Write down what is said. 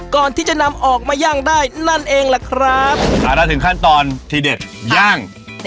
ก่อนที่จะนำออกมาย่างได้นั่นเองล่ะครับอ่าถ้าถึงขั้นตอนที่เด็ดย่าง